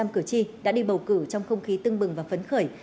chín mươi chín sáu cử tri đã đi bầu cử trong không khí tưng bừng và phấn khởi